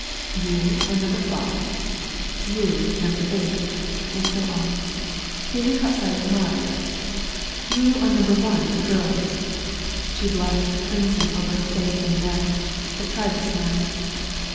"You are number five; you number eight," and so on. Here he caught sight of Marit. "You are number one of the girls," she blushed crimson over face and neck, but tried to smile.